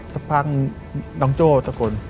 สักครั้งน้องโจ้สักคน